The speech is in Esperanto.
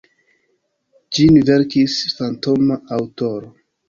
Ĝin verkis fantoma aŭtoro.